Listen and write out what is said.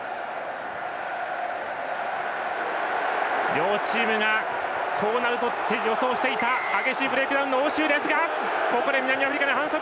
両チームがこうなると予想していたブレイクダウンの応酬ですがここで南アフリカに反則。